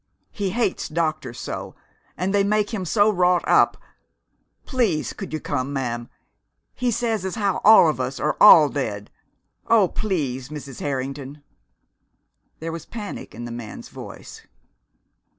He hates doctors so, and they make him so wrought up please could you come, ma'am? He says as how all of us are all dead oh, please, Mrs. Harrington!" There was panic in the man's voice.